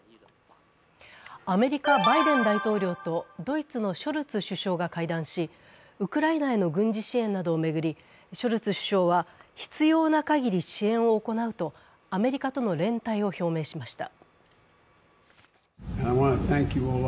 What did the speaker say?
アメリカ・バイデン大統領とドイツのショルツ首相が会談しウクライナへの軍事支援などを巡り、ショルツ首相は必要なかぎり支援を行うとアメリカとの連帯を示しました。